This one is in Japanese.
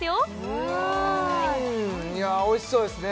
うんいやおいしそうですね